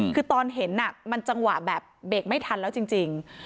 คือตอนเห็นมันจังหวะแบบเบรกไม่ทันแล้วจริง